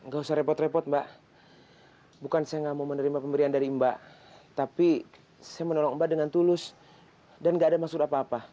gak usah repot repot mbak bukan saya nggak mau menerima pemberian dari mbak tapi saya menolong mbak dengan tulus dan gak ada maksud apa apa